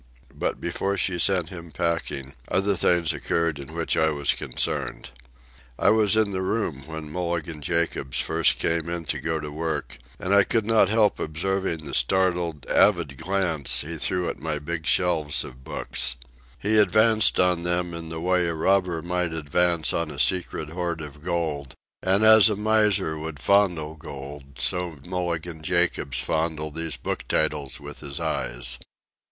But before she sent him packing other things occurred in which I was concerned. I was in the room when Mulligan Jacobs first came in to go to work, and I could not help observing the startled, avid glance he threw at my big shelves of books. He advanced on them in the way a robber might advance on a secret hoard of gold, and as a miser would fondle gold so Mulligan Jacobs fondled these book titles with his eyes.